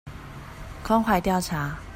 關懷調查